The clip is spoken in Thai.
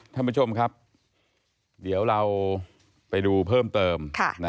ท่านผู้ชมครับเดี๋ยวเราไปดูเพิ่มเติม